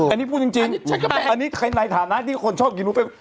อันนี้พูดจริงอันนี้ในฐานะที่คนชอบกินลูกเป้